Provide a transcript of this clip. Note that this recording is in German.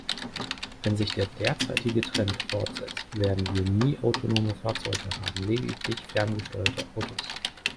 Wenn sich der derzeitige Trend fortsetzt, werden wir nie autonome Fahrzeuge haben, lediglich ferngesteuerte Autos.